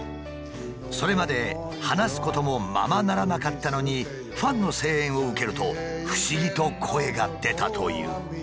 それまで話すこともままならなかったのにファンの声援を受けると不思議と声が出たという。